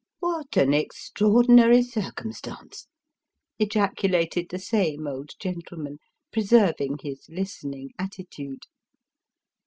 " What an extraordinary circumstance !" ejaculated the same old gentleman, preserving his listening attitude.